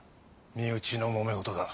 身内のもめ事だ。